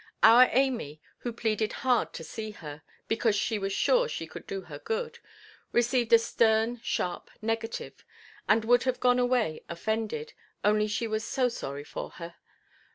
Our Amy, who pleaded hard to see her, because she was sure she could do her good, received a stern sharp negative, and would have gone away offended, only she was so sorry for her.